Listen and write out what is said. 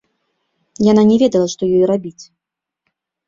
Яна не ведала, што ёй рабіць.